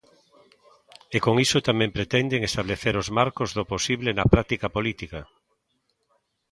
E con iso tamén pretenden establecer os marcos do posible na práctica política.